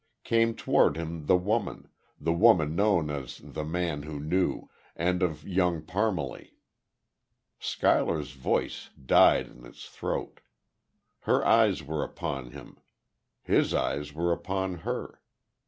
Came toward him The Woman The Woman known of The Man Who Knew, and of Young Parmalee. Schuyler's voice died in his throat. Her eyes were upon him. His eyes were upon her.